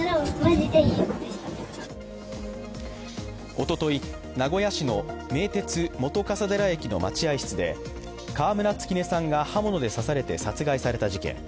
おととい、名古屋市の名鉄本笠寺駅の待合室で川村月音さんが刃物で刺された殺害された事件。